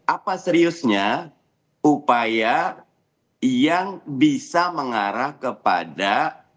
apa seriusnya upaya yang bisa mengarah kepada